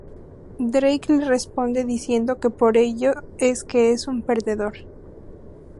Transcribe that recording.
Drake le responde diciendo que por ello es que es un perdedor.